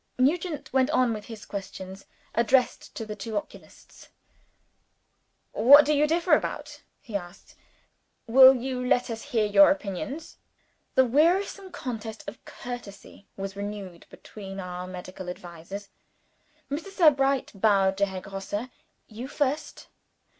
Nugent went on with his questions, addressed to the two oculists. "What do you differ about?" he asked. "Will you let us hear your opinions?" The wearisome contest of courtesy was renewed between our medical advisers. Mr. Sebright bowed to Herr Grosse: "You first."